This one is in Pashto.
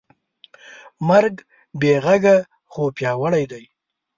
مرګ بېغږه خو پیاوړی دی.